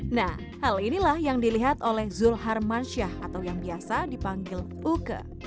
nah hal inilah yang dilihat oleh zul harmansyah atau yang biasa dipanggil uke